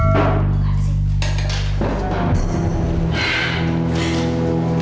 gak ada disini